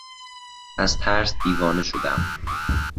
از ترس دیوانه شدم.